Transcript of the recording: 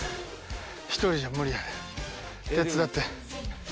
一人じゃ無理やねん手伝って。